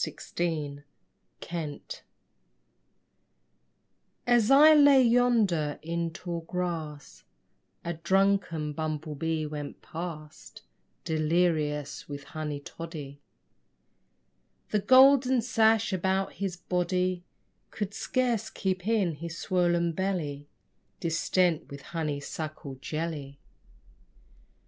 BUMBLE BEE As I lay yonder in tall grass A drunken bumble bee went past Delirious with honey toddy. The golden sash about his body Could scarce keep in his swollen belly Distent with honey suckle jelly.